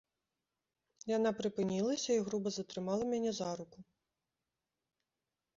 Яна прыпынілася і груба затрымала мяне за руку.